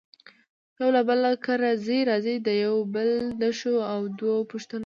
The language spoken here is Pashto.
يو له بل کره ځي راځي يو د بل دښو او دو پوښنته کوي.